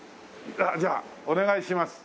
じゃあお願いします。